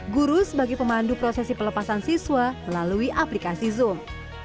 guru sebagai pemandu prosesi pelepasan siswa melalui aplikasi zoom